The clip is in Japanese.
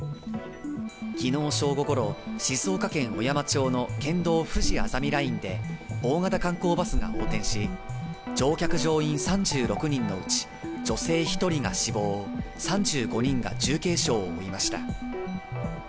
昨日正午ごろ、静岡県小山町の県道ふじあざみラインで大型観光バスが横転し、乗客・乗員３６人のうち女性１人が死亡３５人が重軽傷を負いました。